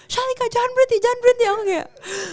shalika jangan berhenti jangan berhenti aku kayak